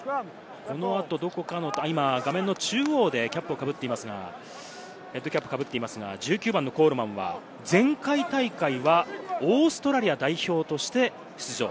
今、画面の中央でキャップをかぶっていますが、１９番・コールマンは前回大会はオーストラリア代表として出場。